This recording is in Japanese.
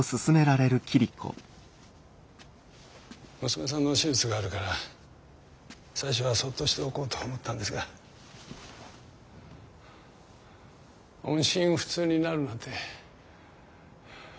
娘さんの手術があるから最初はそっとしておこうと思ったんですが音信不通になるなんておかしくないですか？